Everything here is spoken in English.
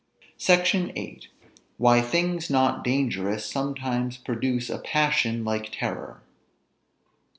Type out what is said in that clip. SECTION VIII. WHY THINGS NOT DANGEROUS SOMETIMES PRODUCE A PASSION LIKE TERROR.